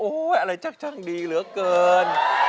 โอ๊ยอะไรจักดีเหลือเกิน